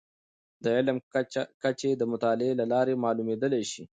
د علم کچې د مطالعې له لارې معلومیدلی شي.